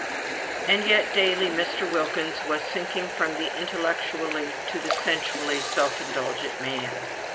And yet daily Mr. Wilkins was sinking from the intellectually to the sensually self indulgent man.